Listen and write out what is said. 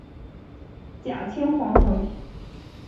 假青黄藤